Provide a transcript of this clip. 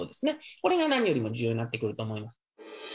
これが何よりも重要になってくると思います。